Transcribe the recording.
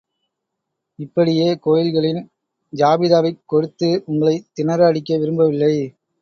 இப்படியே கோயில்களின் ஜாபிதாவைக் கொடுத்து உங்களைத் திணற அடிக்க விரும்பவில்லை.